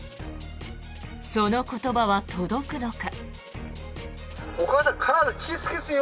その言葉は届くのか。